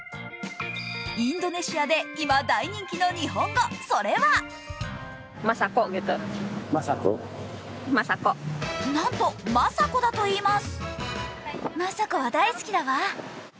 インドネシアで今大人気の日本語、それはなんとマサコだといいます。